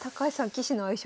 棋士の相性